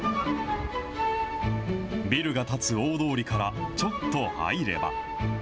ビルが建つ大通りからちょっと入れば。